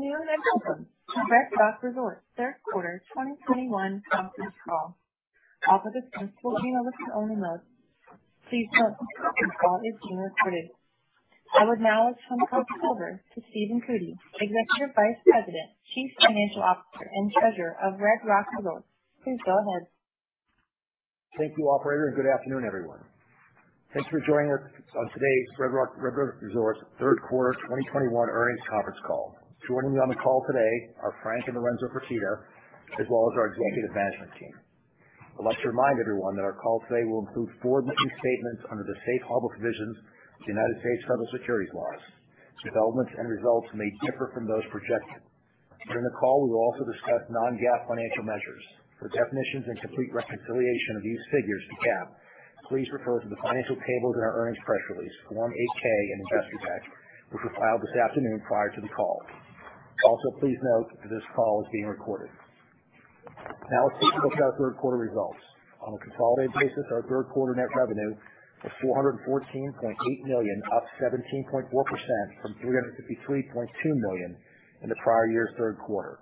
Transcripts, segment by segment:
Good afternoon, and welcome to Red Rock Resorts third quarter 2021 conference call. All participants will be on a listen only mode. Please note this call is being recorded. I would now turn the call over to Stephen Cootey, Executive Vice President, Chief Financial Officer, and Treasurer of Red Rock Resorts. Please go ahead. Thank you, operator, and good afternoon, everyone. Thanks for joining us on today's Red Rock Resorts Q3 2021 earnings conference call. Joining me on the call today are Frank and Lorenzo Fertitta, as well as our executive management team. I'd like to remind everyone that our call today will include forward-looking statements under the Safe Harbor provisions of United States federal securities laws. Developments and results may differ from those projected. During the call, we will also discuss non-GAAP financial measures. For definitions and complete reconciliation of these figures to GAAP, please refer to the financial tables in our earnings press release, Form 8-K, and investor deck, which was filed this afternoon prior to the call. Also, please note that this call is being recorded. Now let's take a look at our third quarter results. On a consolidated basis, our third quarter net revenue was $414.8 million, up 17.4% from $353.2 million in the prior year's third quarter.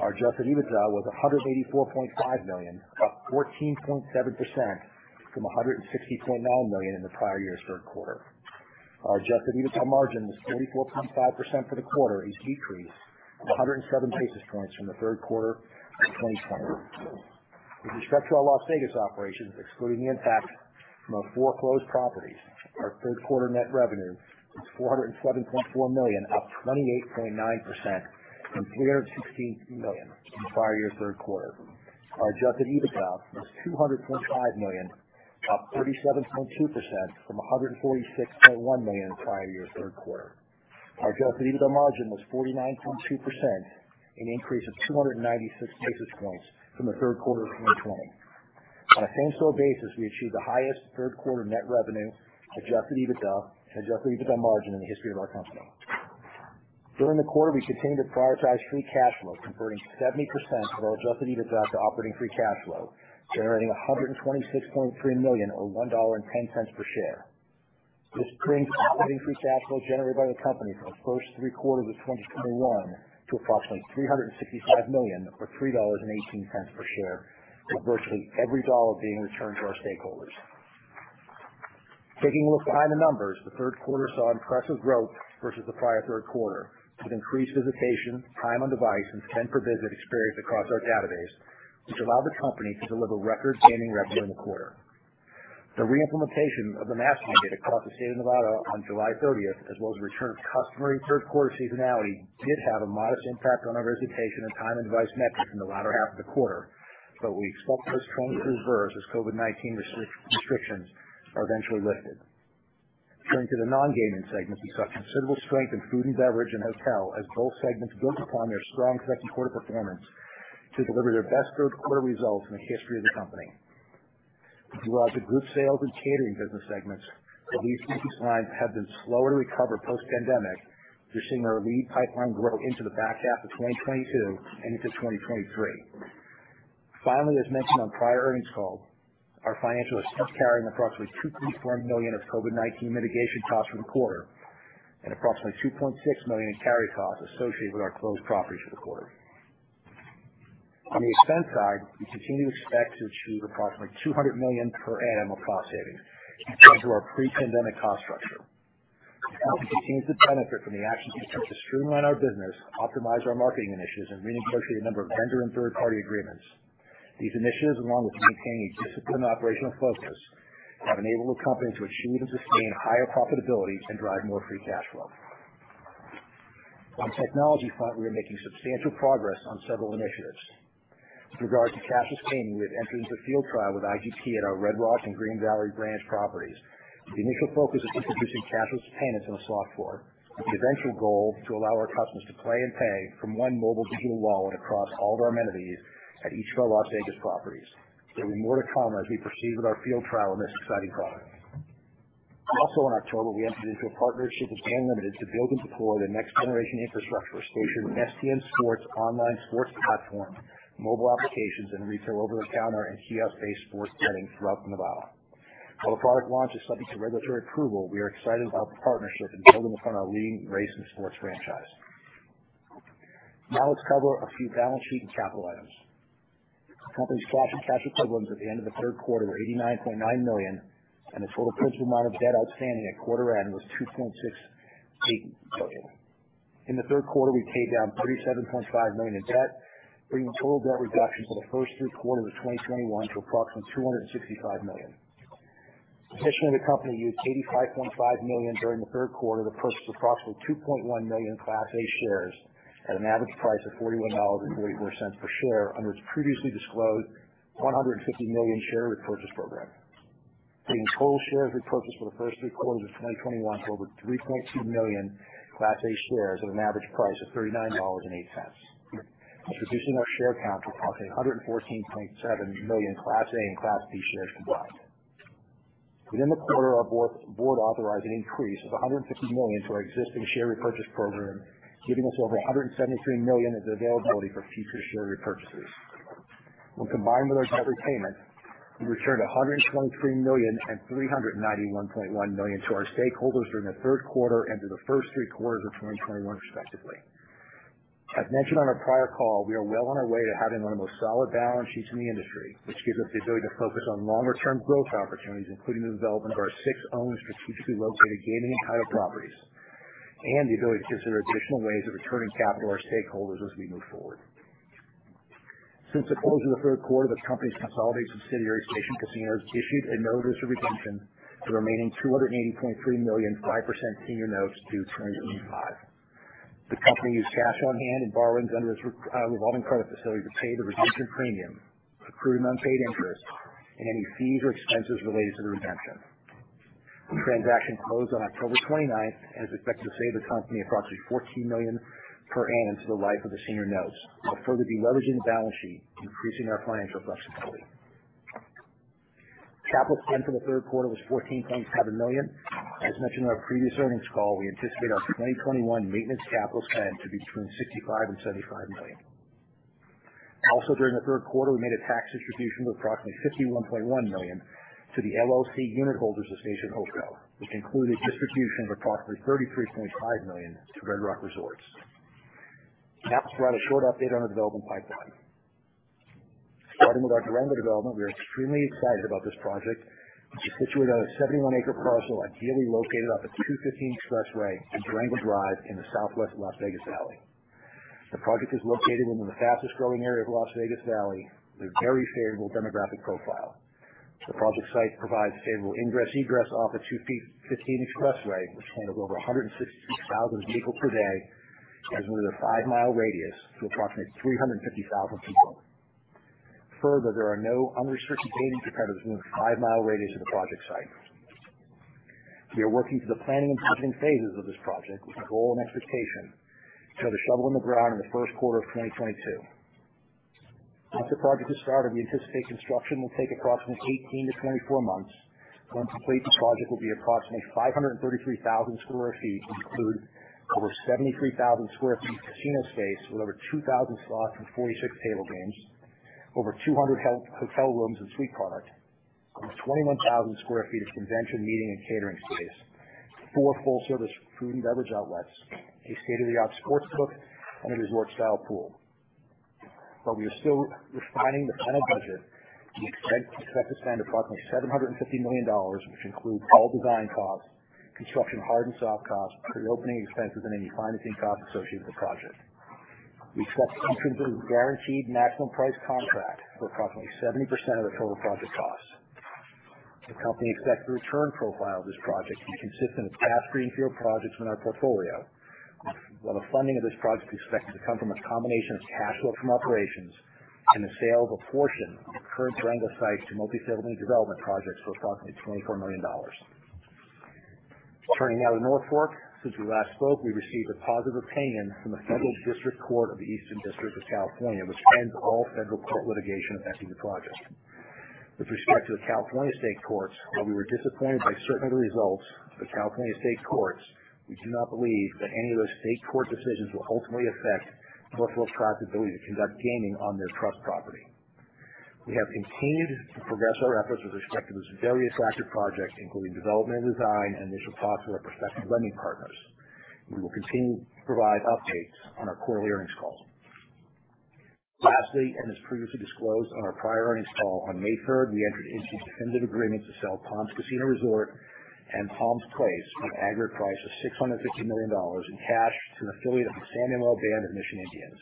Our adjusted EBITDA was $184.5 million, up 14.7% from $160.9 million in the prior year's third quarter. Our adjusted EBITDA margin was 34.5% for the quarter, a decrease of 107 basis points from the third quarter of 2020. With respect to our Las Vegas operations, excluding the impact from our foreclosed properties, our third quarter net revenue was $407.4 million, up 28.9% from $316 million in the prior year's third quarter. Our adjusted EBITDA was $200.5 million, up 37.2% from $146.1 million in the prior year's third quarter. Our adjusted EBITDA margin was 49.2%, an increase of 296 basis points from the third quarter of 2020. On a same-store basis, we achieved the highest third quarter net revenue, adjusted EBITDA, and adjusted EBITDA margin in the history of our company. During the quarter, we continued to prioritize free cash flow, converting 70% of our adjusted EBITDA to operating free cash flow, generating $126.3 million or $1.10 per share. This brings the operating free cash flow generated by the company for the first three quarters of 2021 to approximately $365 million, or $3.18 per share, with virtually every dollar being returned to our stakeholders. Taking a look behind the numbers, the third quarter saw impressive growth versus the prior third quarter, with increased visitation, time on device, and spend per visit experienced across our database, which allowed the company to deliver record gaming revenue in the quarter. The re-implementation of the mask mandate across the state of Nevada on July 30, as well as the return of customary third quarter seasonality, did have a modest impact on our visitation and time on device metrics in the latter half of the quarter. We expect this trend to reverse as COVID-19 restrictions are eventually lifted. Turning to the non-gaming segments, we saw considerable strength in food and beverage and hotel as both segments built upon their strong second quarter performance to deliver their best third quarter results in the history of the company. As regards to group sales and catering business segments, though these business lines have been slower to recover post-pandemic, we're seeing our lead pipeline grow into the back half of 2022 and into 2023. Finally, as mentioned on prior earnings calls, our financial statements carry an approximately $2.4 million of COVID-19 mitigation costs for the quarter and approximately $2.6 million in carry costs associated with our closed properties for the quarter. On the expense side, we continue to expect to achieve approximately $200 million per annum of cost savings compared to our pre-pandemic cost structure. The company continues to benefit from the actions we took to streamline our business, optimize our marketing initiatives, and renegotiate a number of vendor and third-party agreements. These initiatives, along with maintaining a disciplined operational focus, have enabled the company to achieve and sustain higher profitability and drive more free cash flow. On the technology front, we are making substantial progress on several initiatives. With regards to cashless payment, we have entered into a field trial with IGT at our Red Rock and Green Valley Ranch properties. The initial focus is on introducing cashless payments on the slot floor, with the eventual goal to allow our customers to play and pay from one mobile digital wallet across all of our amenities at each of our Las Vegas properties. There'll be more to come as we proceed with our field trial on this exciting product. Also in October, we entered into a partnership with GAN Limited to build and deploy their next-generation infrastructure to Station STN Sports' online sports platform, mobile applications, and retail over-the-counter and kiosk-based sports betting throughout Nevada. While the product launch is subject to regulatory approval, we are excited about the partnership and building upon our leading race and sports franchise. Now let's cover a few balance sheet and capital items. The company's cash and cash equivalents at the end of the third quarter were $89.9 million, and the total principal amount of debt outstanding at quarter end was $2.68 billion. In the third quarter, we paid down $37.5 million in debt, bringing total debt reduction for the first three quarters of 2021 to approximately $265 million. Additionally, the company used $85.5 million during the third quarter to purchase approximately 2.1 million Class A shares at an average price of $41.44 per share under its previously disclosed $150 million share repurchase program, bringing total shares repurchased for the first three quarters of 2021 to over 3.2 million Class A shares at an average price of $39.08. This positions our share count to approximately 114.7 million Class A and Class B shares combined. Within the quarter, our board authorized an increase of $150 million to our existing share repurchase program, giving us over $173 million as availability for future share repurchases. When combined with our debt repayment, we returned $123 million and $391.1 million to our stakeholders during the third quarter and through the first three quarters of 2021 respectively. As mentioned on our prior call, we are well on our way to having one of the most solid balance sheets in the industry, which gives us the ability to focus on longer-term growth opportunities, including the development of our six owned strategically located gaming and titled properties, and the ability to consider additional ways of returning capital to our stakeholders as we move forward. Since the close of the third quarter, the company's consolidated subsidiary, Station Casinos, issued a notice of redemption of the remaining $280.3 million 5% senior notes due 2025. The company used cash on hand and borrowings under its revolving credit facility to pay the redemption premium, accrued unpaid interest, and any fees or expenses related to the redemption. The transaction closed on October 29 and is expected to save the company approximately $14 million per annum through the life of the senior notes, while further deleveraging the balance sheet, increasing our financial flexibility. Capital spend for the third quarter was $14.7 million. As mentioned in our previous earnings call, we anticipate our 2021 maintenance capital spend to be between $65 million and $75 million. During the third quarter, we made a tax distribution of approximately $51.1 million to the LLC unit holders of Station Holdco, which included distributions of approximately $33.5 million to Red Rock Resorts. Now to provide a short update on the development pipeline. Starting with our Durango development, we are extremely excited about this project, which is situated on a 71-acre parcel ideally located off of the 215 Expressway and Durango Drive in the southwest Las Vegas Valley. The project is located within the fastest growing area of Las Vegas Valley with a very favorable demographic profile. The project site provides favorable ingress and egress off the 215 Expressway, which handles over 166,000 vehicles per day, as well as within a five-mile radius of approximately 350,000 people. Further, there are no unrestricted gaming competitors within a five-mile radius of the project site. We are working through the planning and permitting phases of this project with the goal and expectation to have the shovel in the ground in the first quarter of 2022. Once the project is started, we anticipate construction will take approximately 18-24 months. When complete, the project will be approximately 533,000 sq ft to include over 73,000 sq ft of casino space with over 2,000 slots and 46 table games, over 200 hotel rooms and suite product, almost 21,000 sq ft of convention meeting and catering space, four full-service food and beverage outlets, a state-of-the-art sportsbook, and a resort-style pool. While we are still refining the final budget, we expect to spend approximately $750 million, which includes all design costs, construction hard and soft costs, pre-opening expenses, and any financing costs associated with the project. We expect to enter into a guaranteed maximum price contract for approximately 70% of the total project costs. The company expects the return profile of this project to be consistent with past greenfield projects in our portfolio. The funding of this project is expected to come from a combination of cash flow from operations and the sale of a portion of the current Durango site to multi-family development projects for approximately $24 million. Turning now to North Fork. Since we last spoke, we received a positive opinion from the United States District Court for the Eastern District of California, which ends all federal court litigation affecting the project. With respect to the California state courts, while we were disappointed by certain of the results of the California state courts, we do not believe that any of those state court decisions will ultimately affect North Fork Tribe's ability to conduct gaming on their trust property. We have continued to progress our efforts with respect to these various active projects, including development design and initial talks with our prospective lending partners. We will continue to provide updates on our quarterly earnings calls. Lastly, as previously disclosed on our prior earnings call on May third, we entered into definitive agreements to sell Palms Casino Resort and Palms Place for an aggregate price of $650 million in cash to an affiliate of the San Manuel Band of Mission Indians.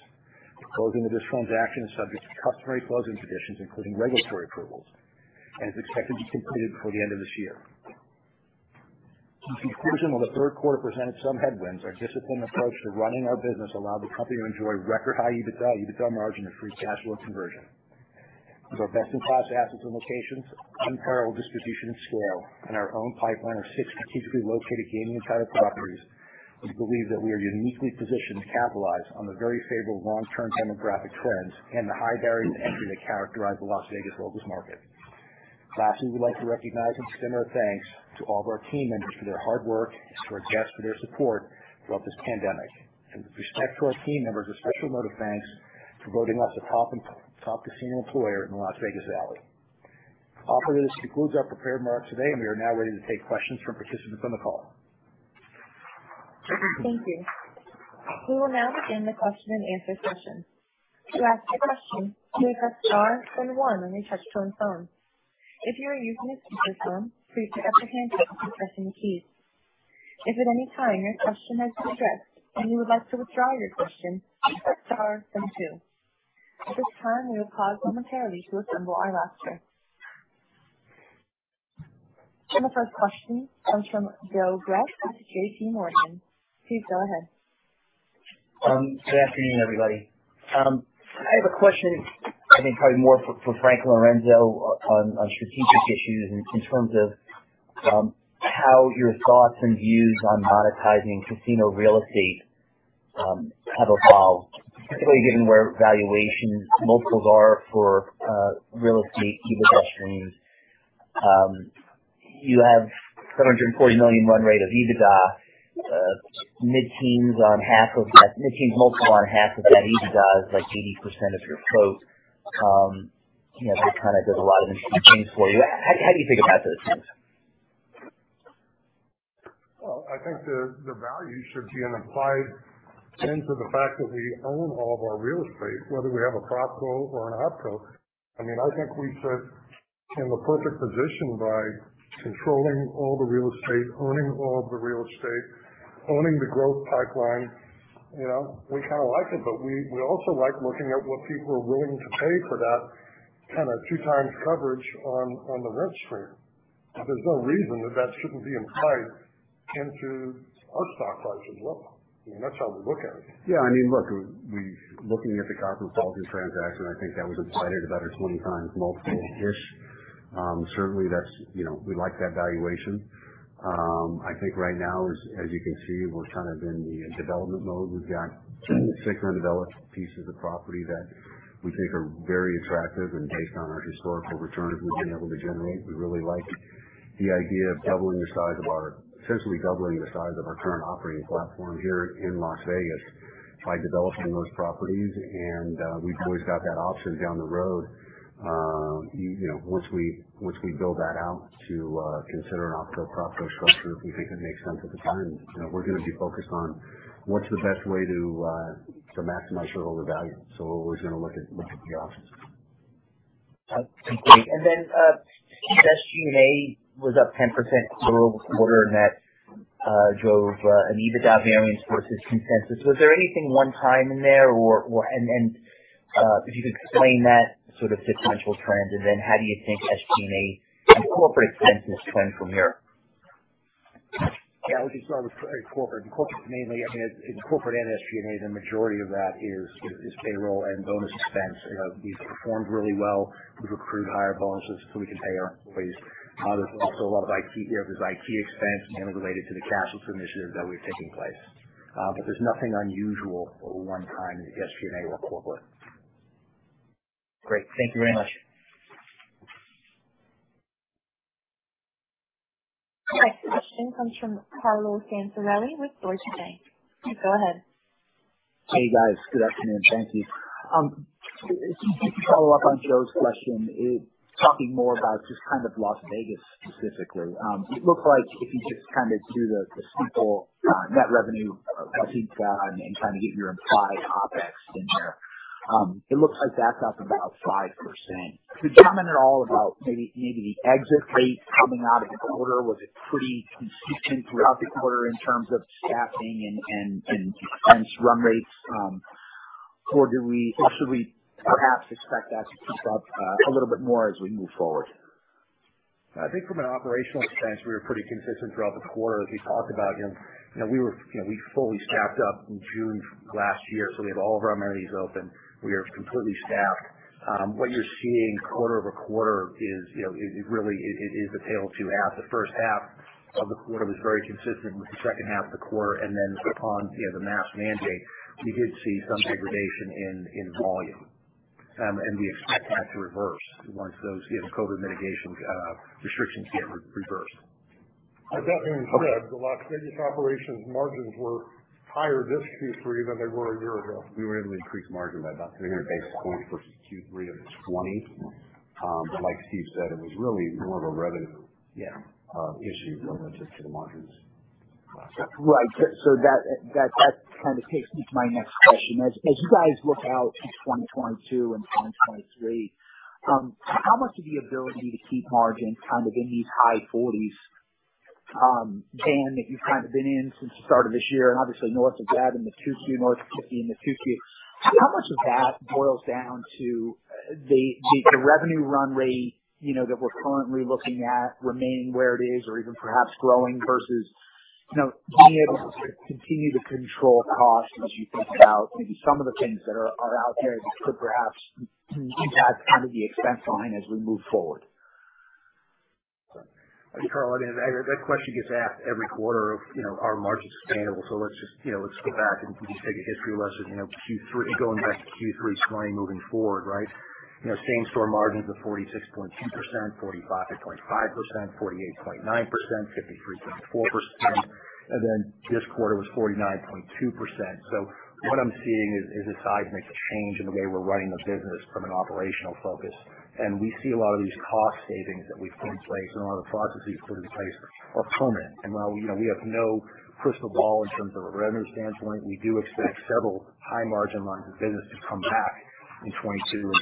The closing of this transaction is subject to various closing conditions, including regulatory approvals, and is expected to be completed before the end of this year. In conclusion, while the third quarter presented some headwinds, our disciplined approach to running our business allowed the company to enjoy record high EBITDA margin, and free cash flow conversion. With our best-in-class assets and locations, unparalleled distribution and scale, and our own pipeline of six strategically located gaming and titled properties, we believe that we are uniquely positioned to capitalize on the very favorable long-term demographic trends and the high barriers to entry that characterize the Las Vegas locals market. Lastly, we'd like to recognize and extend our thanks to all of our team members for their hard work and to our guests for their support throughout this pandemic. With respect to our team members, a special note of thanks for voting us a top casino employer in the Las Vegas Valley. Operator, this concludes our prepared remarks today, and we are now ready to take questions from participants on the call. Thank you. We will now begin the question and answer session. To ask a question, please press star then one on your touchtone phone. If you are using a speakerphone, please pick up the handset before pressing the keys. If at any time your question has been addressed, and you would like to withdraw your question, press star then two. At this time, we will pause momentarily to assemble our roster. The first question comes from Joseph Greff at JPMorgan. Please go ahead. Good afternoon, everybody. I have a question I think probably more for Frank or Lorenzo on strategic issues in terms of how your thoughts and views on monetizing casino real estate have evolved, particularly given where valuations multiples are for real estate EBITDA streams. You have $740 million run-rate of EBITDA, mid-teens multiple on half of that EBITDA is like 80% of your total. You know, that kind of does a lot of interesting things for you. How do you think about this, Steve? Well, I think the value should be implied into the fact that we own all of our real estate, whether we have a PropCo or an OpCo. I mean, I think we sit in the perfect position by controlling all the real estate, owning all of the real estate, owning the growth pipeline. You know, we kind of like it, but we also like looking at what people are willing to pay for that kind of 2x coverage on the rent stream. There's no reason that shouldn't be implied into our stock price as well. I mean, that's how we look at it. Yeah, I mean, look, we've looking at the Palms transaction, I think that was implied at about a 20x multiple-ish. Certainly that's, you know, we like that valuation. I think right now as you can see, we're kind of in the development mode. We've got two under development pieces of property that we think are very attractive. Based on our historical returns we've been able to generate, we really like the idea of doubling the size of our current operating platform here in Las Vegas by developing those properties. We've always got that option down the road. You know, once we build that out to consider an OpCo, PropCo structure, if we think it makes sense at the time. You know, we're gonna be focused on what's the best way to to maximize shareholder value. We're always gonna look at the options. Great. SG&A was up 10% quarter-over-quarter, and that drove an EBITDA variance versus consensus. Was there anything one-time in there or if you could explain that sort of sequential trend and then how do you think SG&A and corporate expense will trend from here? Yeah, we can start with corporate. Corporate mainly, I mean, in corporate and SG&A, the majority of that is payroll and bonus expense. You know, we've performed really well. We've accrued higher bonuses, so we can pay our employees. There's also a lot of IT, you know, there's IT expense mainly related to the cashless initiative that's taking place. But there's nothing unusual or one time in the SG&A or corporate. Great. Thank you very much. Our next question comes from Carlo Santarelli with Deutsche Bank. Please go ahead. Hey, guys. Good afternoon. Thank you. Just to follow up on Joe's question, talking more about just kind of Las Vegas specifically. It looks like if you just kind of do the simple net revenue, I think, and kind of get your implied OpEx in there, it looks like that's up about 5%. Could you comment at all about maybe the exit rates coming out of the quarter? Was it pretty consistent throughout the quarter in terms of staffing and expense run rates? Or should we perhaps expect that to creep up a little bit more as we move forward? I think from an operational expense, we were pretty consistent throughout the quarter, as we talked about. You know, we fully staffed up in June last year, so we have all of our amenities open. We are completely staffed. What you're seeing quarter-over-quarter is, you know, it really is a tale of two halves. The first half of the quarter was very consistent with the second half of the quarter. Then upon, you know, the mask mandate, you did see some degradation in volume. We expect that to reverse once those, you know, COVID mitigation restrictions get reversed. That being said, the Las Vegas operations margins were higher this Q3 than they were a year ago. We were able to increase margin by about 300 basis points versus Q3 of 2020. Like Steve said, it was really more of a revenue. Yeah. issue really just to the margins. Right. That kind of takes me to my next question. As you guys look out to 2022 and 2023, how much of the ability to keep margins kind of in these high 40s% band that you've kind of been in since the start of this year, and obviously north of that in the 2Q, north of 50% in the 2Q. How much of that boils down to the revenue run rate, you know, that we're currently looking at remaining where it is or even perhaps growing versus, you know, being able to sort of continue to control costs as you think about maybe some of the things that are out there that could perhaps impact kind of the expense line as we move forward? Carlo, I mean, that question gets asked every quarter of, you know, are margins sustainable. Let's just, you know, let's go back and we can just take a history lesson. You know, Q3 2020 moving forward, right? You know, same story margins of 46.2%, 45.5%, 48.9%, 53.4%, and then this quarter was 49.2%. What I'm seeing is a seismic change in the way we're running the business from an operational focus. We see a lot of these cost savings that we've put in place and a lot of the processes put in place are permanent. While, you know, we have no crystal ball in terms of a revenue standpoint, we do expect several high margin lines of business to come back in 2022 or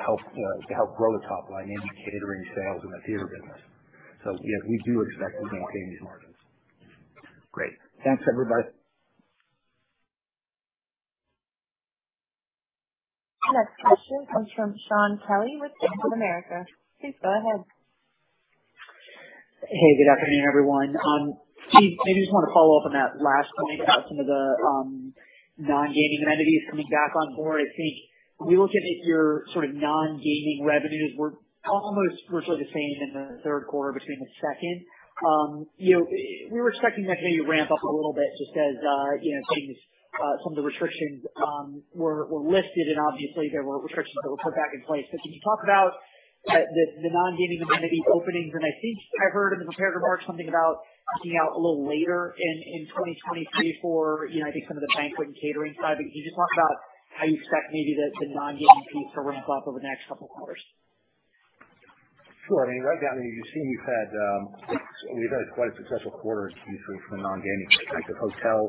2023 to help grow the top line, namely catering sales and the theater business. Yes, we do expect to maintain these margins. Great. Thanks, everybody. The next question comes from Shaun Kelley with Bank of America. Please go ahead. Hey, good afternoon, everyone. Steve, maybe just want to follow up on that last point about some of the non-gaming amenities coming back on board. I think we looked at your sort of non-gaming revenues were almost virtually the same in the third quarter between the second. You know, we were expecting that to maybe ramp up a little bit just as, you know, things, some of the restrictions were lifted and obviously there were restrictions that were put back in place. Can you talk about the non-gaming amenity openings? I think I heard in the prepared remarks something about coming out a little later in 2023 for, you know, I think some of the banquet and catering side. Can you just talk about how you expect maybe the non-gaming piece to ramp up over the next couple quarters? Sure. I mean, right now, I mean, you've seen, we've had quite a successful quarter in Q3 for the non-gaming segments. The hotel,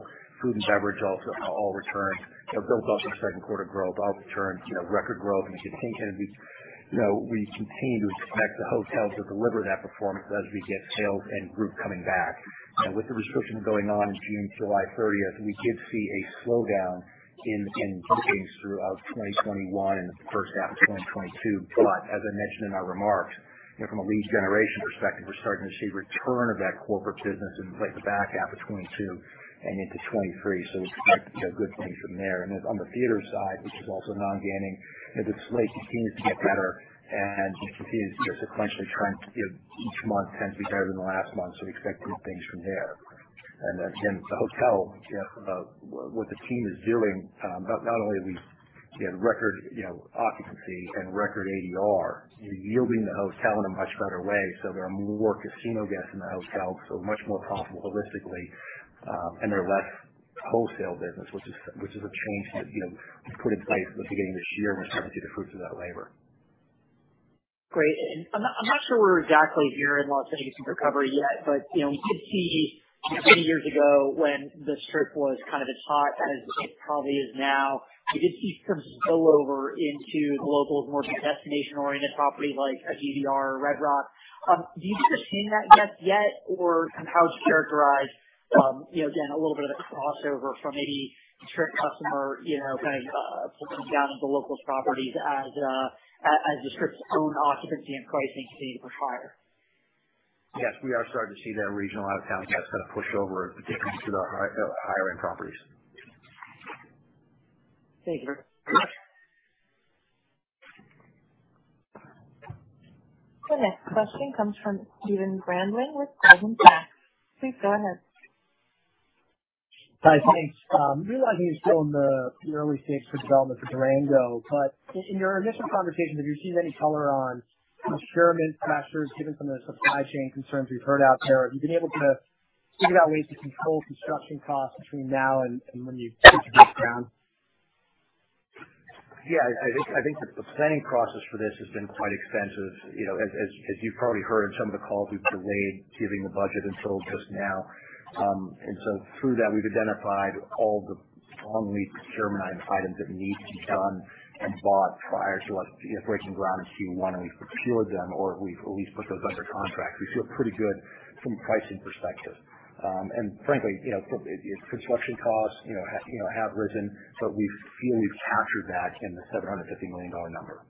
food and beverage also returned or built off the second quarter growth, you know, record growth. We continue to expect the hotel to deliver that performance as we get sales and group coming back. With the restrictions going on in June, July 30, we did see a slowdown in bookings throughout 2021 and the first half of 2022. As I mentioned in our remarks, you know, from a lead generation perspective, we're starting to see return of that corporate business in the latter half of 2022 and into 2023. We expect, you know, good things from there. On the theater side, which is also non-gaming, you know, the slate continues to get better and continues to sequentially trend. You know, each month tends to be better than the last month, so we expect good things from there. The hotel, what the team is doing, not only are we seeing record, you know, occupancy and record ADR, yielding the hotel in a much better way. There are more casino guests in the hotel, so much more profitable holistically, and there's less wholesale business, which is a change that, you know, was put in place at the beginning of this year. We're starting to see the fruits of that labor. Great. I'm not sure where exactly you're in Las Vegas in recovery yet, but you know, we did see 20 years ago when the Strip was kind of as hot as it probably is now, we did see some spillover into the locals' more destination-oriented property like a DDR or Red Rock. Do you guys seeing that just yet or kind of how would you characterize you know, again, a little bit of crossover from maybe the Strip customer you know, kind of filtering down into locals properties as the Strip's own occupancy and pricing continue to push higher? Yes, we are starting to see that regional out-of-town guests kind of push over to the higher end properties. Thank you. The next question comes from Stephen Grambling with Golden Sachs. Please go ahead. Hi. Thanks. We know you're still in the early stages of development for Durango, but in your initial conversations, have you seen any color on procurement pressures given some of the supply chain concerns we've heard out there? Have you been able to figure out ways to control construction costs between now and when you break ground? Yeah. I think the planning process for this has been quite extensive. You know, as you've probably heard in some of the calls, we've delayed giving a budget until just now. Through that, we've identified all the long-lead procurement items that need to be done and bought prior to us breaking ground in Q1, and we've secured them or we've at least put those under contract. We feel pretty good from a pricing perspective. Frankly, you know, construction costs, you know, have risen, but we feel we've captured that in the $750 million number.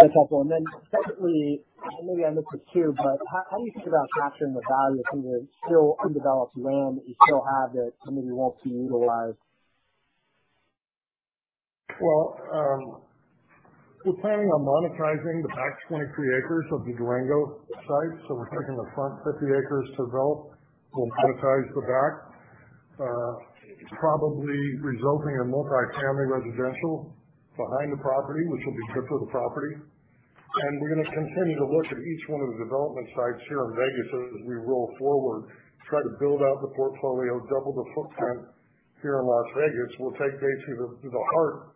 That's helpful. Secondly, maybe I missed this too, but how do you think about capturing the value from the still undeveloped land that you still have that some of you want to utilize? We're planning on monetizing the back 23 acres of the Durango site. We're taking the front 50 acres to build. We'll monetize the back, probably resulting in multifamily residential behind the property, which will be good for the property. We're gonna continue to look at each one of the development sites here in Vegas as we roll forward to try to build out the portfolio, double the footprint here in Las Vegas. We'll take basically the heart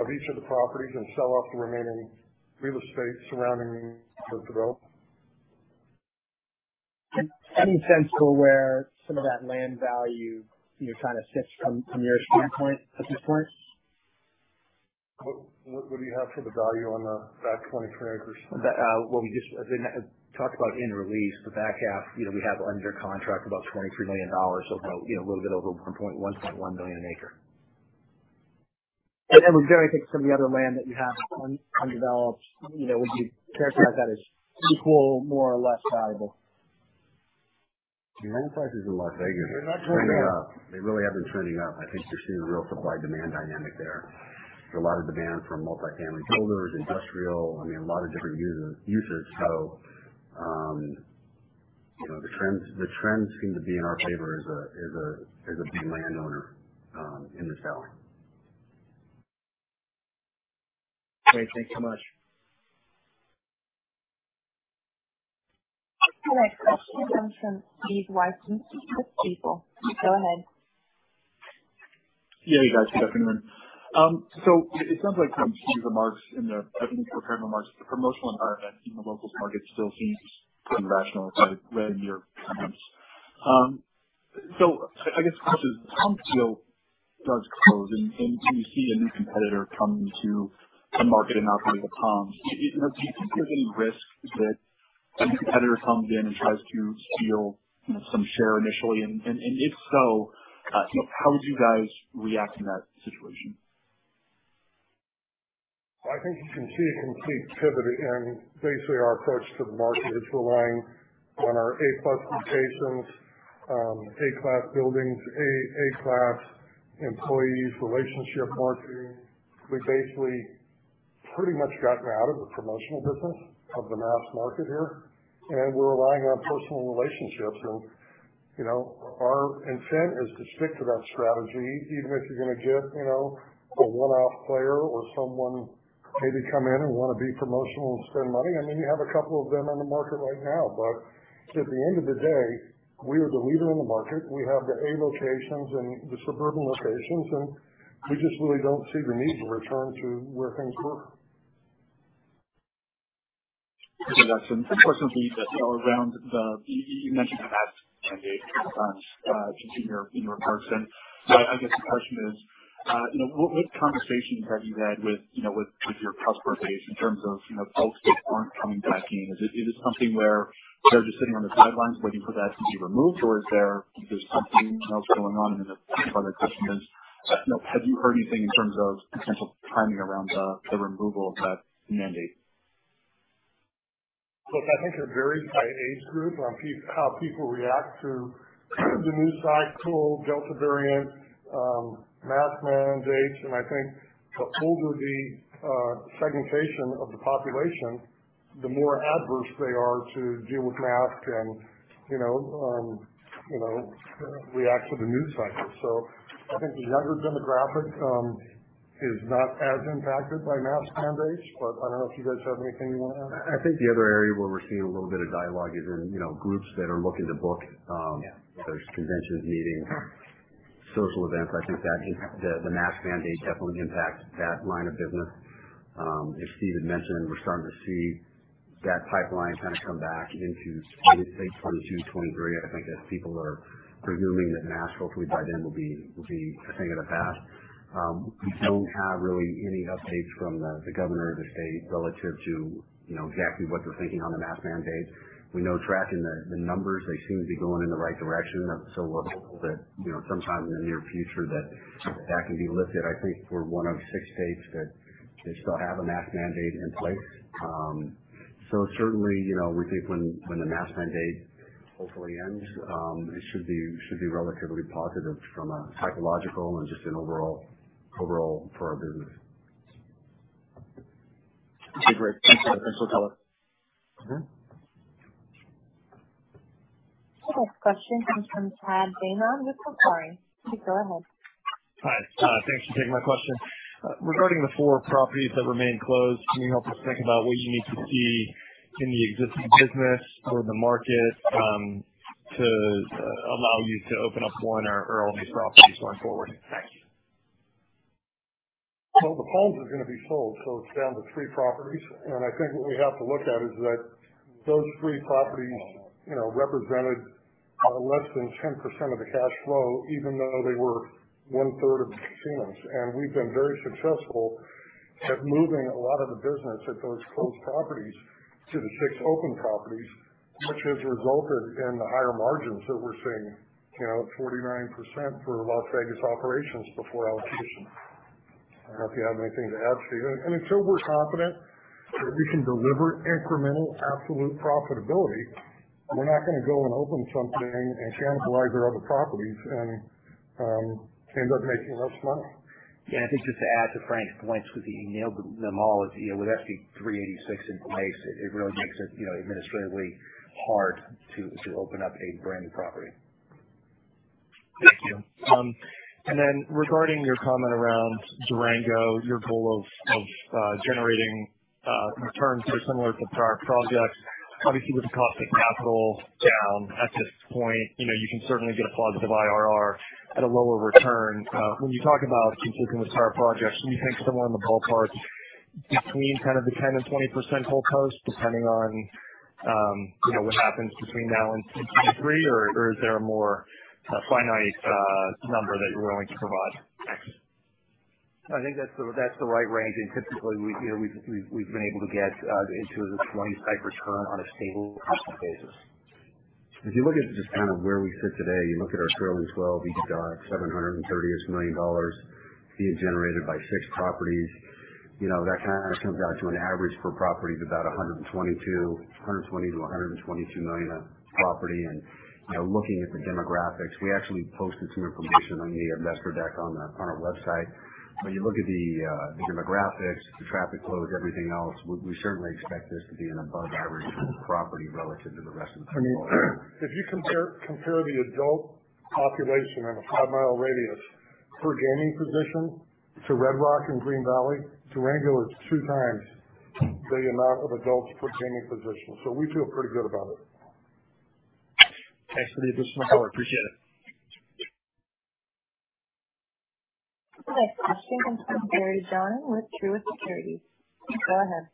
of each of the properties and sell off the remaining real estate surrounding the development. Any sense to where some of that land value you're trying to stitch from your standpoint at this point? What do you have for the value on the back 23 acres? As I talked about in the release, the back half, you know, we have under contract about $23 million. About, you know, a little bit over $0.1 million an acre. With Durango, I think some of the other land that you have undeveloped, you know, would you characterize that as equal, more or less valuable? The land prices in Las Vegas. They're not coming down. They're trending up. They really have been trending up. I think you're seeing a real supply demand dynamic there. There's a lot of demand from multifamily builders, industrial, I mean, a lot of different uses. So, you know, the trends seem to be in our favor as a landowner in the valley. Great. Thank you much. The next question comes from Steven Wieczynski, with Stifel. Go ahead. Yeah. You guys, good afternoon. It sounds like from Steve's remarks in the opening prepared remarks, the promotional environment in the locals market still seems pretty rational, if I read your comments. I guess the question is, if Palms, Rio does close and we see a new competitor come into the market right out of the Palms, do you think there's any risk that a new competitor comes in and tries to steal, you know, some share initially? If so, you know, how would you guys react in that situation? I think you can see a complete pivot in basically our approach to the market. It's relying on our A-Class locations, A-class buildings, A-class employees, relationship marketing. We basically pretty much gotten out of the promotional business of the mass market here, and we're relying on personal relationships. You know, our intent is to stick to that strategy, even if you're gonna get, you know, a one-off player or someone maybe come in and wanna be promotional and spend money. I mean, you have a couple of them on the market right now. At the end of the day, we are the leader in the market. We have the A locations and the suburban locations, and we just really don't see the need to return to where things were. You mentioned the mask mandate in your remarks. I guess my question is, you know, what conversations have you had with, you know, with your customer base in terms of, you know, folks that aren't coming back in? Is it something where they're just sitting on the sidelines waiting for that to be removed or is there something else going on? Then the other part of the question is, you know, have you heard anything in terms of potential timing around the removal of that mandate? Look, I think it varies by age group on how people react to the news cycle, Delta variant, mask mandates. I think the older the segmentation of the population, the more adverse they are to deal with mask and, you know, react to the news cycle. I think the younger demographic is not as impacted by mask mandates, but I don't know if you guys have anything you wanna add. I think the other area where we're seeing a little bit of dialogue is in, you know, groups that are looking to book, you know, conventions, meetings, social events. I think that just the mask mandate definitely impacts that line of business. As Steve had mentioned, we're starting to see that pipeline kind of come back into 2022, I think 2023. I think that people are presuming that masks hopefully by then will be a thing of the past. We don't have really any updates from the governor of the state relative to, you know, exactly what they're thinking on the mask mandate. We know tracking the numbers, they seem to be going in the right direction. We're hopeful that, you know, sometime in the near future that that can be lifted. I think we're one of six states that still have a mask mandate in place. Certainly, you know, we think when the mask mandate hopefully ends, it should be relatively positive from a psychological and just an overall for our business. Okay, great. Thanks for that insightful color. Mm-hmm. The next question comes from Chad Beynon with Macquarie. You can go ahead. Hi. Thanks for taking my question. Regarding the four properties that remain closed, can you help us think about what you need to see in the existing business or the market, to allow you to open up one or all these properties going forward? Thanks. Well, the Palms is gonna be sold, so it's down to three properties. I think what we have to look at is that those three properties, you know, represented less than 10% of the cash flow, even though they were one third of the machines. We've been very successful at moving a lot of the business at those closed properties to the six open properties, which has resulted in the higher margins that we're seeing. You know, 49% for Las Vegas operations before allocation. I don't know if you have anything to add, Steve. Until we're confident that we can deliver incremental absolute profitability, we're not gonna go and open something and cannibalize our other properties and end up making less money. Yeah. I think just to add to Frank's points, because he nailed them all, is, you know, with SB386 in place, it really makes it, you know, administratively hard to open up a brand new property. Thank you. Regarding your comment around Durango, your goal of generating returns similar to prior projects, obviously with the cost of capital down at this point, you know, you can certainly get a positive IRR at a lower return. When you talk about competing with prior projects, can you think somewhere in the ballpark between kind of the 10%-20% hold cost, depending on, you know, what happens between now and 2023 or is there a more finite number that you're willing to provide? Thanks. I think that's the right range. Typically we, you know, we've been able to get into the 20 type return on a stable customer basis. If you look at just kind of where we sit today, you look at our trailing twelve, we've got $730-ish million being generated by six properties. You know, that kind of comes out to an average per property of about $120 million-$122 million a property. You know, looking at the demographics, we actually posted some information on the investor deck on our website. When you look at the demographics, the traffic flows, everything else, we certainly expect this to be an above average return property relative to the rest of the portfolio. I mean, if you compare the adult population in a five-mile radius per gaming position to Red Rock and Green Valley, Durango is two times the amount of adults per gaming position. We feel pretty good about it. Thanks for the additional color. Appreciate it. Next question comes from Barry Jonas with Truist Securities. Go ahead.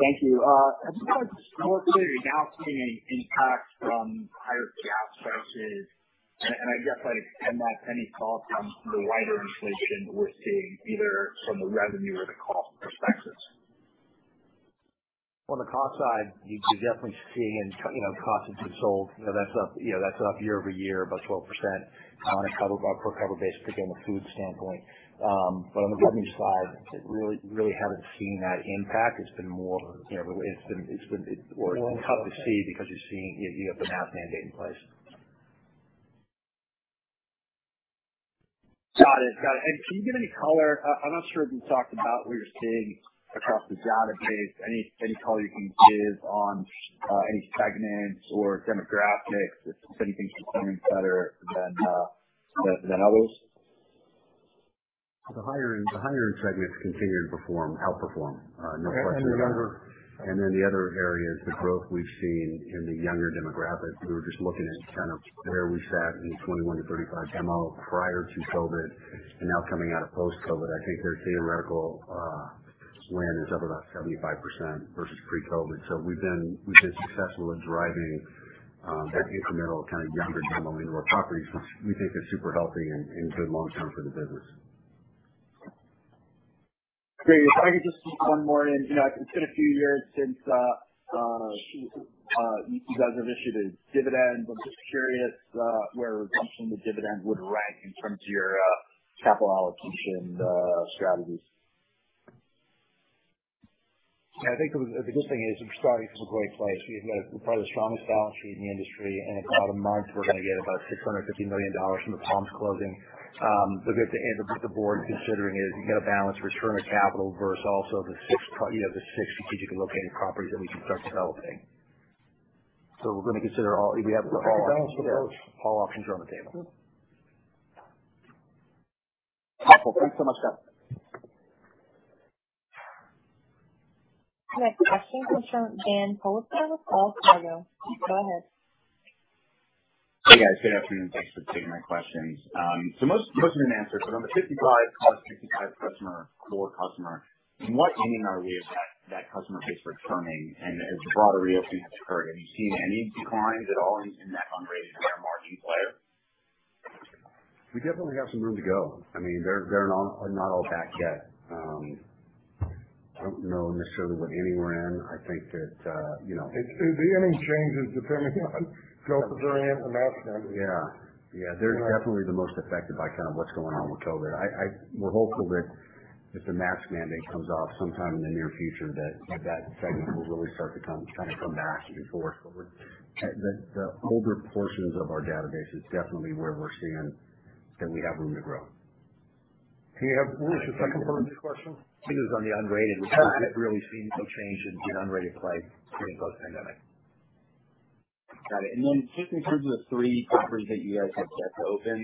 Thank you. I'm just curious, more clearly now seeing an impact from higher gas prices. I guess like and that any call from the wider inflation we're seeing either from the revenue or the cost perspectives. On the cost side, you're definitely seeing in cost of goods sold, you know, that's up year-over-year about 12% on a per cover basis, particularly on the food standpoint. On the revenue side, it really haven't seen that impact. It's been more, you know, it's been tough to see because you have the mask mandate in place. Got it. Can you give any color? I'm not sure if you talked about what you're seeing across the database. Any color you can give on any segments or demographics, if anything's performing better than others? The higher end segments continue to perform, outperform, no question there. And the younger- The other area is the growth we've seen in the younger demographic. We were just looking at kind of where we sat in the 21-35 demo prior to COVID and now coming out of post-COVID. I think their theoretical spend is up about 75% versus pre-COVID. We've been successful at driving that incremental kind of younger demo into our properties, which we think is super healthy and good long term for the business. Great. If I could just sneak one more in. You know, it's been a few years since you guys have issued a dividend. I'm just curious where resumption of the dividend would rank in terms of your capital allocation strategies. Yeah, I think the good thing is we're starting from a great place. We have probably the strongest balance sheet in the industry, and in about a month we're gonna get about $650 million from the Palms closing. We're going to end up with the board considering it. You got to balance return of capital versus also the six strategically located properties that we can start developing. We're gonna consider all. We have all options. We'll take a balance for those. All options are on the table. Awesome. Thanks so much, guys. Next question comes from Daniel Politzer with Wells Fargo. Go ahead. Hey, guys. Good afternoon. Thanks for taking my questions. Most have been answered, but on the 55+ 65 customer, core customer, in what inning are we of that customer base returning? As broader REITs occur, have you seen any declines at all in that unrated or margin player? We definitely have some room to go. I mean, they're not all back yet. I don't know necessarily what inning we're in. I think that, you know. The timing changes depending on Delta variant, the mask mandate. Yeah. They're definitely the most affected by kind of what's going on with COVID-19. We're hopeful that if the mask mandate comes off sometime in the near future, that segment will really start to come, kind of come back and forth. The older portions of our database is definitely where we're seeing that we have room to grow. What was the second part of your question? It was on the unrated. Got it. Have you really seen some change in unrated play pre and post-pandemic? Got it. Just in terms of the three properties that you guys have yet to open,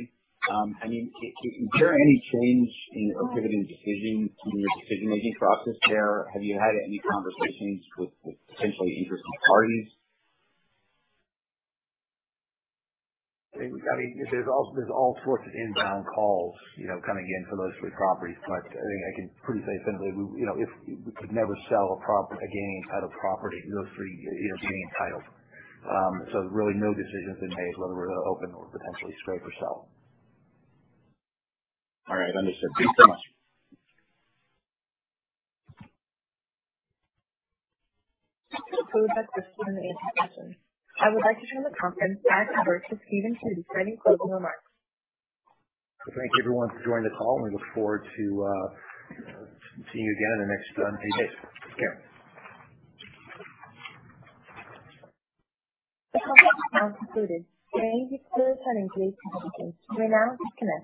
I mean, is there any change in your pivoting decision in your decision-making process there? Have you had any conversations with potentially interested parties? I mean, there's all sorts of inbound calls, you know, coming in for those three properties. I think I can pretty safely say simply, we, you know, if we could ever sell a gaming property, those three, you know, gaming properties. Really no decision's been made whether to open or potentially scrap or sell. All right, understood. Thanks so much. That concludes the question and answer session. I would like to turn the conference back over to Stephen Cootey for any closing remarks. Thank you everyone for joining the call, and we look forward to seeing you again in the next 80 days. Take care. The conference is now concluded. You may disconnect at this time. You may now disconnect.